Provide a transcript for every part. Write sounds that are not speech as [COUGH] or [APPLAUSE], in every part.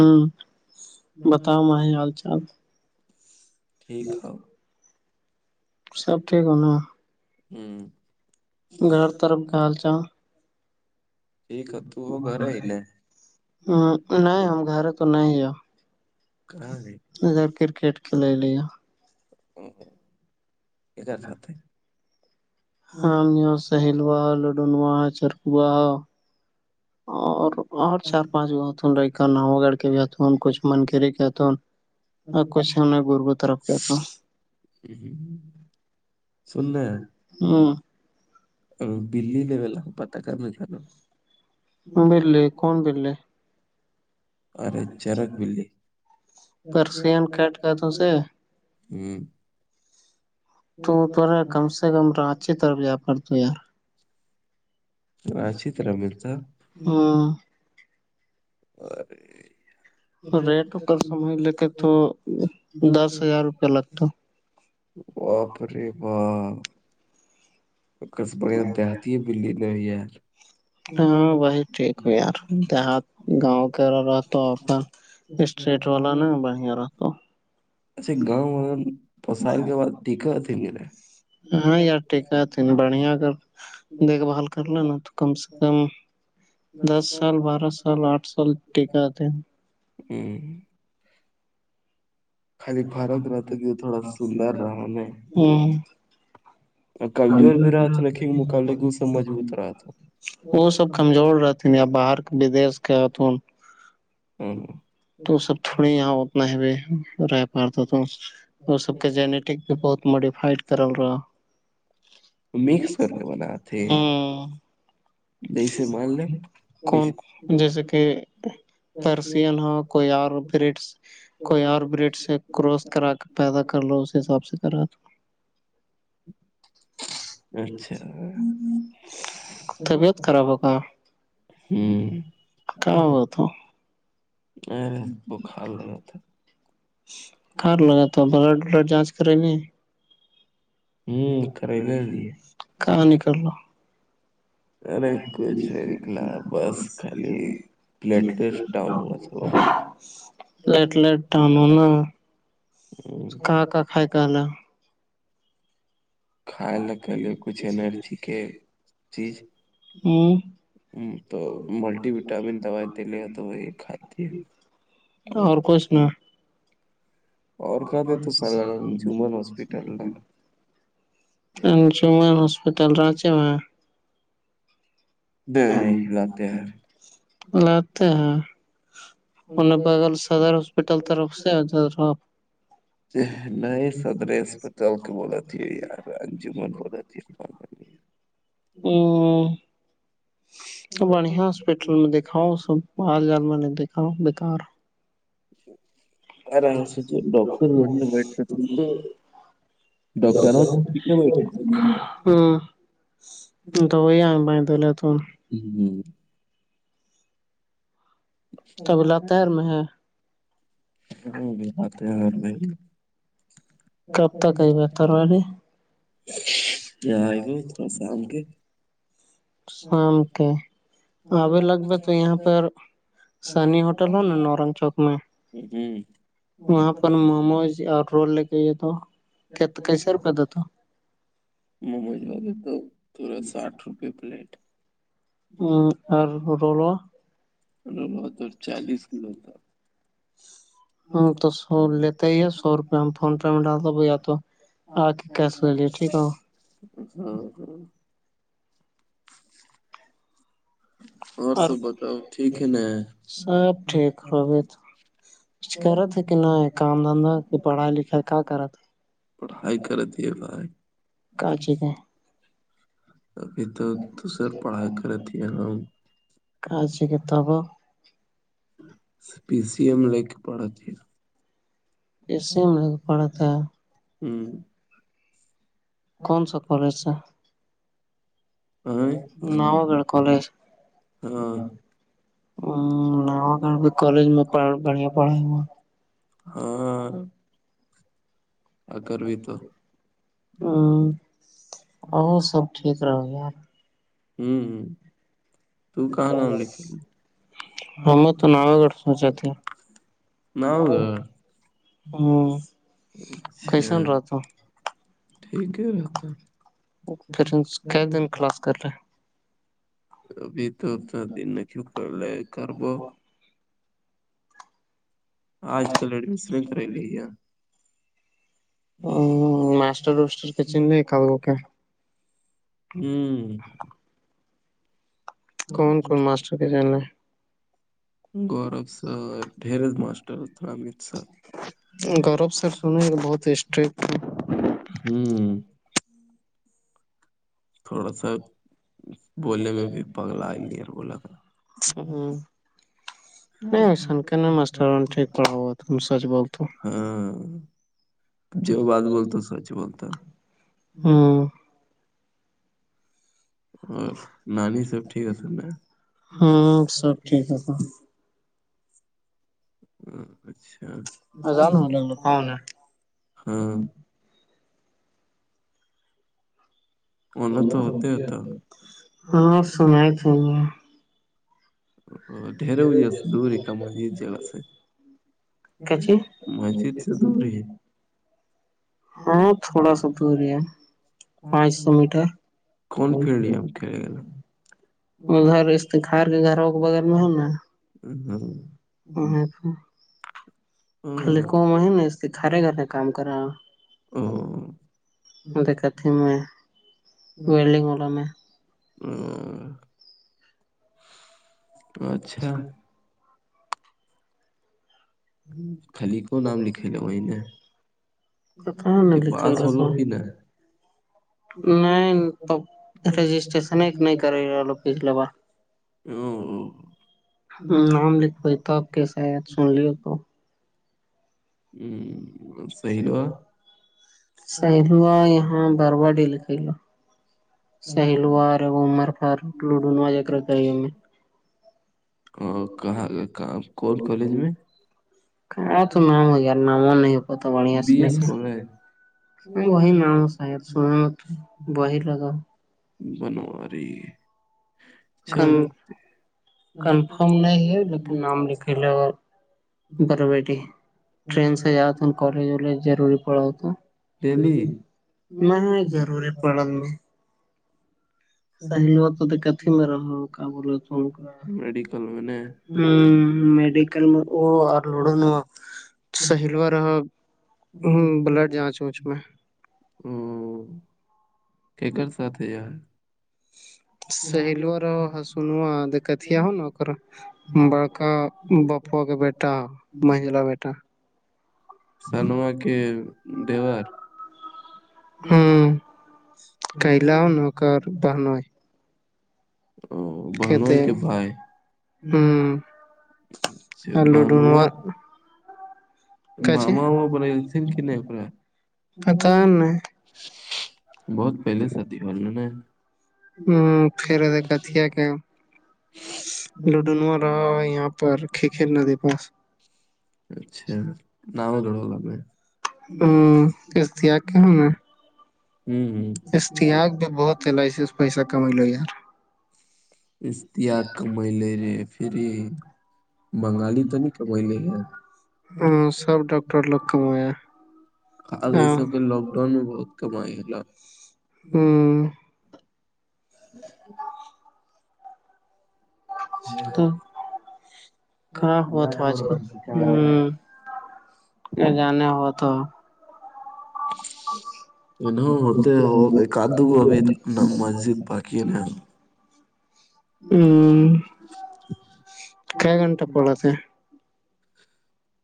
ہوں بتاؤ م ہے حال چال ٹھیک ہے سب ٹھیک ہونا ہوں گھر طرف گالچا نہیں ہم گھر تو نہیں ہیں کہ ہے [UNINTELLIGIBLE] کےلے لیےیا ادھر پات آم سہیلوا ہو لڈونوا ہےا چرکوا ہا اور اور چار پانچ گت لڑکا نو گڑھ کے بھیت کچھ من کرے ا کچھن گربو طرف کیا تو ہ ہ ہ [UNINTELLIGIBLE] ہاں بلی لول پتا کرنے سوں بلی کون بلی ارے جرگ بلی [INAUDIBLE] ہ [UNINTELLIGIBLE] تو توورا کم سے کم رانچی طرف جا کرتا یار [UNINTELLIGIBLE] آچھی طرح مل تھا اور [UNINTELLIGIBLE] ریٹ سمج لے کے تو دس ہزار روپیہ لگتا اوپرے با پکرس بڑے دہتی ہے بلی لےئی ار [UNINTELLIGIBLE] داں [UNINTELLIGIBLE] گاؤں کہ رہا رہتا آ کا اسٹریٹ والا نا بڑھیا رہتا اچھا ایک گاؤں والا پسائل کے بعد ٹییکا رہے ہاں یار ٹیکہ ت بڑھیا اگر دیکھ بھال کرلینا نا تو کم سے کم دس سال بارہ سال آٹھ سال ٹیکا آتے ہیں ہ خالی فرق رہا تھا کہ وہ تھوڑا سندر رہا میں وہ سب کمزور رہتا یا باہر کے بدیش کے ہاتھوں ہاں ہ نہاہ بھی رہ پاتا تو وہ سب کے جنیٹک بھی بہت موڈیفائڈ کرل رہا ہوں کون جیسے کہ پرسین ہو کوئی اور بریڈس کوئی اور بریڈس سے کروس کرا تک پیدا کر لو اسی حساب سے کر رہا تھا اچھا طبیعت خراب ہےکا کیا ہوا تو اے بخار لگا تھا کار لگات تو بلڈ وڈ جانچ کرے گی ہوں کری لے دیے کر لو ارے کچھ نہیں بس خالی پلٹ لٹس ڈاؤن ہوا تھا ہوں کا کا کھائے کلا کھائے ل کے لیے کچھ اینرجی کے چیز ہ تو ملٹی وٹامن دوائی د ل تو وہی کھاتی ہے اور کچھ نا آور بولے تو سارا دن ہاسپٹل ہے ہسپٹل رے میں [INAUDIBLE] [INAUDIBLE] [INAUDIBLE] دلہاتیار ان بگل سدر ہسپٹل طرف سےپ ر [INAUDIBLE] [UNINTELLIGIBLE] ا تو بڑھیا ہاسپٹل میں دیکھا ہ سب مال جال میں نے دیکھا بیکار ار ہم سے جو ڈاکاکٹر بڑے بیٹتا پ تو ہاں تو وہی ہے ب تو ل تو ہوں کبھی اللہ تیر میں ہے ہ بھی آتے ہیں اور میں کب تک آئی بہتر والے ج ا ب تھوڑا شام کے شام کے آبے لگب تو یہاں پر ج وہاں پر موموز اور رول لے کے یہ تو کیسے روپئے دیتا موموج بابے تو تھورا ساٹھ روپئے پلیٹ اور رلاو روو تو چالیس کلو تھا ہاں تو سو لیتے ہی ہے سو روپے ہم فون پے میں ڈال د یا تو آ کے کیسے لےے ٹھیک ہے ہو چ ہ ہ اور سب ٹھیک ہو تو کچھ کرا ہے کہ نہ ہے کام دھندا کی پڑھائی لکھائی کیا کرا ہے پڑھائی کر دیے بھائی ابھی تو تو سر پڑھائی کرتی ہیں ہم کہجی کہتاب پی سی ایم لے کے پڑاتی اس سے مک پڑ تھا [UNINTELLIGIBLE] [INAUDIBLE] ہوں کون سا کالج س نو گڑ کالج ہ وہ کالج میں بڑھیا پڑھائی ہوا ہاں ا کرو تو [UNINTELLIGIBLE] [INAUDIBLE] ٹھیک رہو یار ہوں ہ تو کہاں نام دکھی [UNINTELLIGIBLE] [INAUDIBLE] ہم میں تو ناو گڑھ سوچا تھ ہ کی سن رہتا ٹھیک ہی رہتا ہے [INAUDIBLE] [UNINTELLIGIBLE] پھر ک دن کلاس کر رہے ہیں ابھی تو انا دن نہ کیوں کر لے کربو آج کل ایڈمیشن کرائی رہ ہے ہ مسٹر رسٹر کیچ ن کدوک ہوں کون کون ماسٹر کے جنے گورو سر ڈرز ماسٹر ا امت سار گرو سے سننے بہت اسٹریکٹ ہوں تھوڑا سا بولنے میں بھی پگلا ہی نہیں ار بولا کر نہیں سن کا نہیں مسٹر ٹھیک پڑ سچ بول جو بات بولتا سوچ بولتا ہاں اور نانی سب ٹھیک ہے ن جتا اچھا ہاں ہاں سنائی ت ا ڈر ہو جی دور ک م جی جیا سے کچ ہاں تھوڑا سا دور ہے کون فلڈیا ہم کھیلے گل ہ ان کا کلے کوم ہے نا اس د کارے گھر میں کام کرا کھی میں ولڈگ والا میں ہ اچھا خلی کو نام لکھے ل وہیں نے کتاں ن لکھا نہیں تو رجسٹریشن کے نہیں کری پچھلے بار نام لکھوائی تو آپ کیسا ہے سن لے تو ہ سہلوا یہاں بروا ڈیل کے لو سہیلو مر ف لوڈو ن کرتا ہے ہم میں اور کہاں کا کام کون کالج میں ک تو نام ہو یار نام نہیں ہو تو بڑھیا سے نہیں ہ بی نؤوں ساید س م تو بہ لگاؤ بنو رہی چلتے کنفرم نہیں ہے لیکن نام لکھ ل اور بربری ٹرین سے جیاات ہون کالج وج جروری پڑ تو نہ ضروری پڑھنے میں سہلو تو کھی میں رہ کہ بولو ہ میڈیکل میںک اور لڈو ن سہیلوا رہا ہ بلڈ جانچ وچ میں ہوں کیکر س ہے سہیلو رہو سنو د کتیا ہو نا ا بڑکا بپوا کے بیٹا مہلا بیٹا سنوا کے دیوار ہوں کلا نگ بانئے ا بانو ہے کہ بھائی اچھا بہت بڑھیا مما وہا بڑائی ا سن کی نہیں بہت پہلے شادی وال لینا ہے خیر د کات کیا کہ لوڈون رہا یہاں پر ک کل ندے پاس اچھا نام گڑو ل میں [INAUDIBLE] اشتیاق بھی بہت ہے ل پیسہ کمائی لو یار اتیاار کمائی لے رے فری بنگالی تو نہیں کم لے گا ٹو لو کمایا آج ای سب کے لاک ڈاؤن میں بہت کمائی ہےلا ہوں [INAUDIBLE] تو کہ ہو تھا آج کل ہوں کہ جانے ہوا تو جی ہوتے ہو ایک آدو کو ابھی ن مسجد باقی نہیں ہو ہ ک گھنٹہ پڑات ہے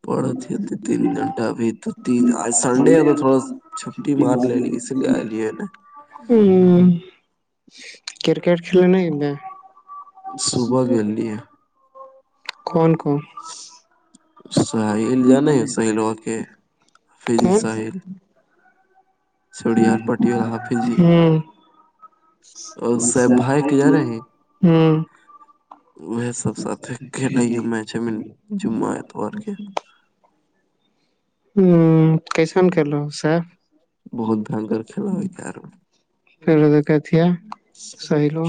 پڑےتی دو تین گھنٹہ ابھی تو تین سنڈے ہے تو تھوڑا سا چھٹی مار لے لی اس لیے آ لی ہے نا کررکٹ کھیل ن میں صبح کے لی ہے خان کانگ [UNINTELLIGIBLE] ہوں ہوں [UNINTELLIGIBLE] ہوں کیسان کرلو ساح بہت ڈن کرر کھیلا ہو کیار د کااتیا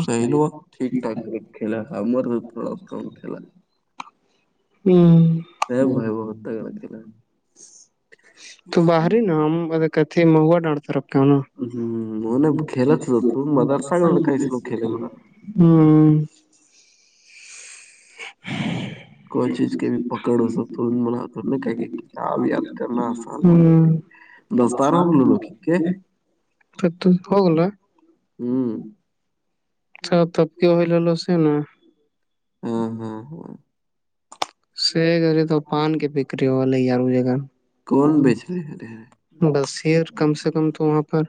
سہلو ٹھیک ٹھاک کر کھیلا امرس کون کھیلا ہے اب بھائی بہت تگڑ کےلا تو باہر ہی نا مہوا ڈالتا رکھ ہو نا ہوں [UNINTELLIGIBLE] ہوں [UNINTELLIGIBLE] اچھا تب کے ہو لو سے نا سے کرے تو پان کی بکری ہو والے یار جگہ بس ار کم سے کم تو وہاں پر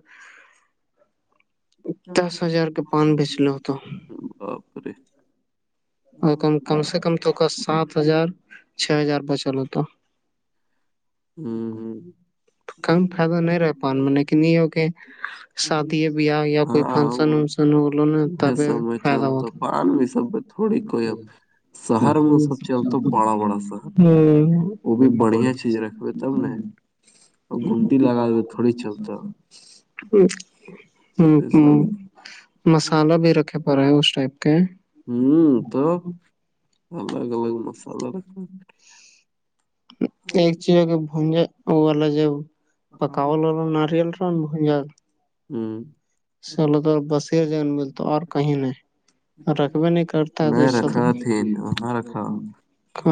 دس ہزار کے پان بیچ لو تو اور کم سے کم تو کا سات ہزار چھ ہزار بچا ہوتا ہوں ہوں کم فائدہ نہیں رہ ہے پان میں لیکن یہ ہو کے شادی بیاہ یا کوئی فنکشن ونکشن ہوو ن تب فائدہ ہوہتا ا ہے سبت تھوڑی کوئی شہر میں وہ سب چلتا بڑا بڑا شہر وہ بھی بڑھیا چیز رکھے تب ن اور گھنٹی لگا دیئے تھوڑی چلتا ہے ہوں ہ مسالہ بھی رکھے پا رہا ہے اس ٹائپ کے ہوں تو الگ الگ مسالا رکھو ایک چیز کی بھونجا والا ج پکاول والا ناریل ن بگ ہوں چلو تو بسیر ج مل تو اور کہیں نہیں رکھوے نہیں کرتے ت س تو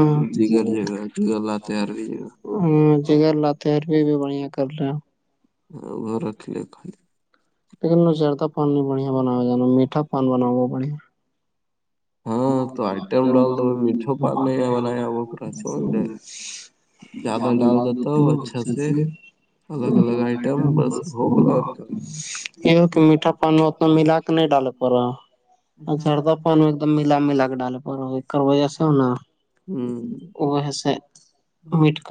ہاں- ہ جگر لاتر بھی بھی بڑھیا کر رہے ہ ا گ ر لے خالی- لیکن ن چرتا پان نہیں بڑھیا بنا ہوا جانا میٹا پان بناؤ ب بڑھیا ہاں تو ایک دم ڈ میا پان ل ب- جامہ لگ رہ تو اچھا سے- یہ کہ میٹھا پانی اتنا ملا کے نہیں ڈالو- پر اچھا- ایکم ملا ملا کے ڈالے پڑ ایکر وجہ سے ہو نا وجہ سے- جی-